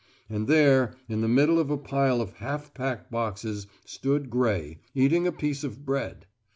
And there, in the middle of a pile of half packed boxes, stood Gray, eating a piece of bread.